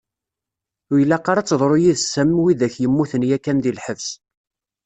Ur ilaq ara ad teḍru yid-s am widak yemmuten yakan di lḥebs.